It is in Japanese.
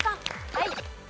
はい。